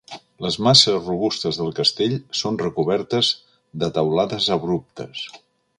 Les masses robustes del castell són recobertes de teulades abruptes.